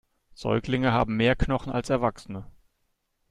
Säuglinge haben mehr Knochen als Erwachsene.